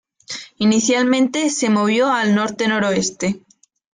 Inicialmente, se movió al norte-noroeste.